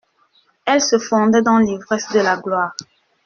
Elle se fondait dans l'ivresse de la gloire.